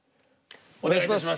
お願いいたします。